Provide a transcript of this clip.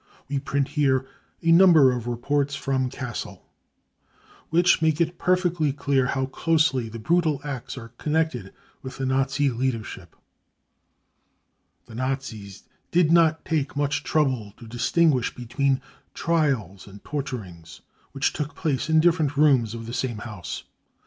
We print here a number of reports from CJiassel, which make it perfectly clear how closely the brutal acts are connected with the Nazi leadership. The Nazis 220 BROWN BOOK OF THE HITLER TERROR did not take much trouble to distinguish between cc trials 55 and torturings which took place in different rooms of the same house.